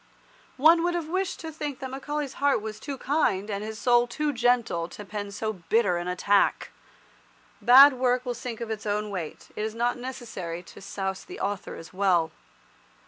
One would have wished to think that Macaulay's heart was too kind, and his soul too gentle, to pen so bitter an attack. Bad work will sink of its own weight. It is not necessary to souse the author as well.